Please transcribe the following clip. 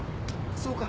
そうか。